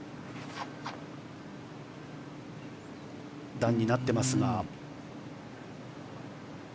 段になっていますが。